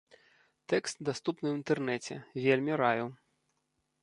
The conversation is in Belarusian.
Тэкст даступны ў інтэрнэце, вельмі раю.